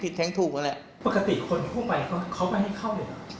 ปกติคนช่วงใหม่เข้าไหมให้เข้าเหลือครับ